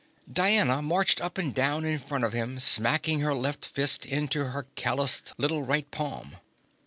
Diana marched up and down in front of him, smacking her left fist into her calloused little right palm.